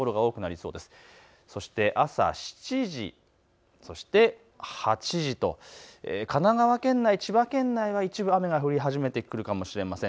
そして朝７時、そして８時と神奈川県内、千葉県内は一部、雨が降り始めてくるかもしれません。